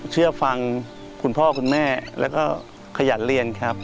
เชื่อฟังคุณพ่อคุณแม่แล้วก็ขยันเรียนครับ